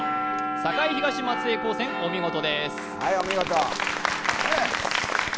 栄東、松江高専、お見事です。